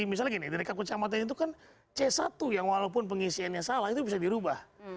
misalnya gini di dekat kecamatan itu kan c satu yang walaupun pengisiannya salah itu bisa dirubah